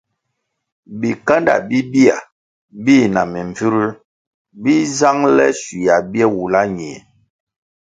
Bikándá bibia bi na mimbviruer bi zangele schuia bie wula ñie.